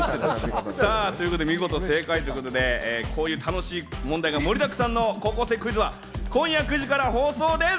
見事正解ということで、こういう楽しい問題が盛りだくさんの『高校生クイズ』は今夜９時から放送です。